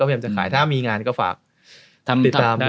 พยายามจะขายถ้ามีงานก็ฝากทำติดตามได้